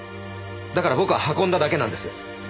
だから僕は運んだだけなんです。